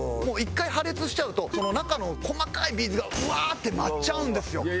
もう一回破裂しちゃうと中の細かいビーズがブワーッて舞っちゃうんですよ。